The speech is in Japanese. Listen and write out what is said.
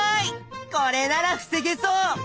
これなら防げそう！